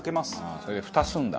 それでふたするんだ。